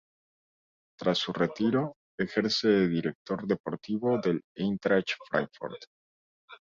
Tras su retiro, ejerce de director deportivo del Eintracht Fráncfort.